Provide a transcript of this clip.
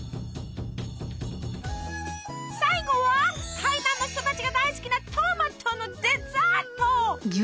最後は台南の人たちが大好きなトマトのデザート。